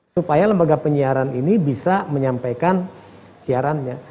supaya lembaga penyiaran ini bisa menyampaikan siarannya